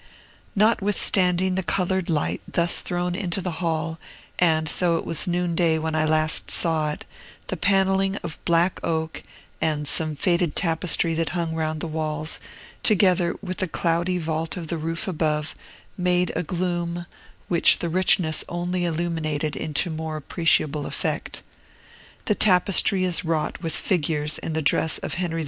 Notwithstanding the colored light thus thrown into the hall, and though it was noonday when I last saw it, the panelling of black oak, and some faded tapestry that hung round the walls, together with the cloudy vault of the roof above, made a gloom, which the richness only illuminated into more appreciable effect. The tapestry is wrought with figures in the dress of Henry VI.'